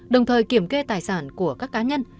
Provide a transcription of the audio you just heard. đồng thời kiểm kê tài sản của các cá nhân